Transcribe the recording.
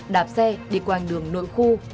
đạp xe đi quanh đường nội khu